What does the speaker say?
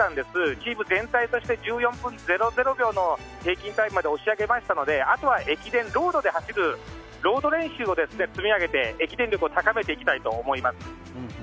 チーム全体として１４分００秒の平均タイムまで押し上げましたので、あとは道路で走るロード練習を積み上げて駅伝能力を高めていきたいと思います。